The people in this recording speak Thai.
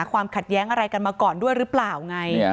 ความขัดแย้งอะไรกันมาก่อนด้วยหรือเปล่าไง